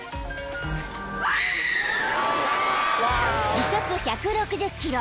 ［時速１６０キロ